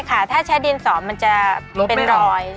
ค่ะถ้าใช้ดินสอมันจะเป็นรอย